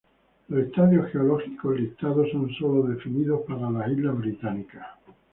Los estadios geológicos listados son solo definidos para las islas Británicas.